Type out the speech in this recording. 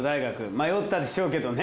迷ったでしょうけどね。